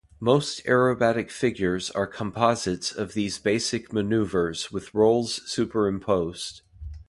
Most aerobatic figures are composites of these basic maneuvers with rolls superimposed.